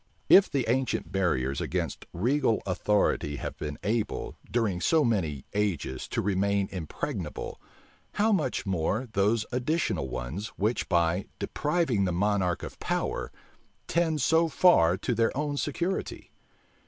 If the ancient barriers against regal authority have been able, during so many ages, to remain impregnable, how much more those additional ones, which, by depriving the monarch of power, tend so far to their own security?